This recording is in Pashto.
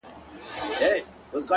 عجيب سړى يم له سهاره تر غرمې بيدار يم؛